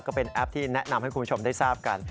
ก็เป็นแอปที่แนะนำให้คุณผู้ชมได้ทราบกัน